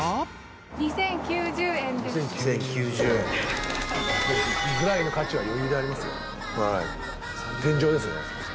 ２，０９０円。ぐらいの価値は余裕でありますよ。